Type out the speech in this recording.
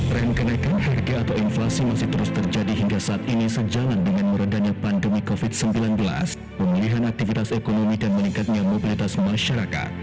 tren kenaikan harga atau inflasi masih terus terjadi hingga saat ini sejalan dengan merendanya pandemi covid sembilan belas pemulihan aktivitas ekonomi dan meningkatnya mobilitas masyarakat